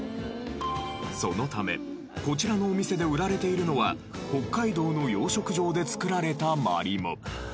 そのためこちらのお店で売られているのは北海道の養殖場で作られたマリモ。